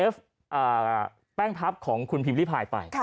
แป้งพับของคุณพิมพิพายไป